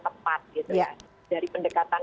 tepat dari pendekatan